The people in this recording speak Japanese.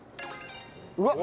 うわっ。